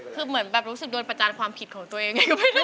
คือเหมือนแบบรู้สึกโดนประจานความผิดของตัวเอง